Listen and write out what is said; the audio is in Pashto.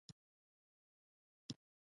ده وپوښتل چې همدا اوس د امریکا سفیر چیرته دی؟